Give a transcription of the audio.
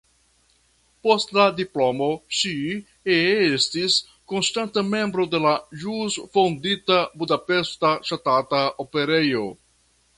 Post la diplomo ŝi estis konstanta membro de la ĵus fondita Budapeŝta Ŝtata Operejo.